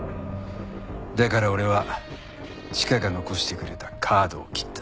だから俺はチカが残してくれたカードを切った。